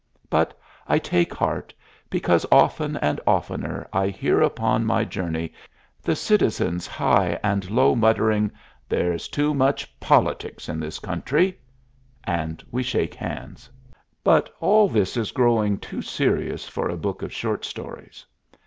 But I take heart, because often and oftener I hear upon my journey the citizens high and low muttering, "There's too much politics in this country"; and we shake hands. But all this is growing too serious for a book of short stories.